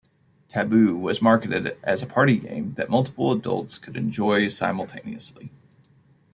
"Taboo" was marketed as a party game that multiple adults could enjoy simultaneously.